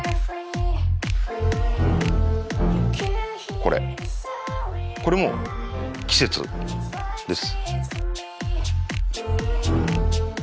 これこれも季節です。